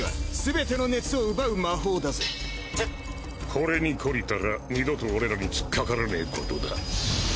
これに懲りたら二度と俺らにつっかからねえことだ。